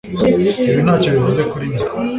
Ibi ntacyo bivuze kuri njye